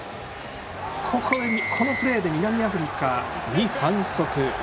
このプレーで南アフリカに反則。